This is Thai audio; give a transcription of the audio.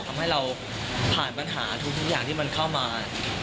ทำให้เราผ่านปัญหาทุกอย่างที่มันเข้ามา